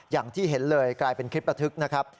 อย่างที่เห็นเลยกลายเป็นคลิประทึกนะครับ